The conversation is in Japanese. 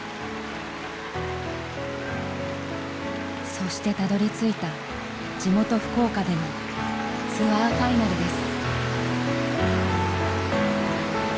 そしてたどりついた地元福岡でのツアーファイナルです。